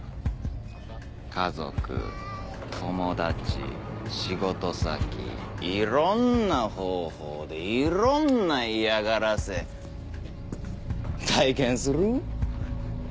家族友達仕事先いろんな方法でいろんな嫌がらせ体験する？